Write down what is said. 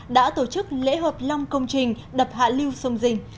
đã tổ chức lễ hợp long công trình đập hạ lưu sông dình